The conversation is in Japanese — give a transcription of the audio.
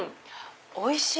おいしい！